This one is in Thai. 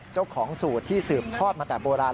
เจ้าของสูตรที่สืบทอดมาแต่โบราณ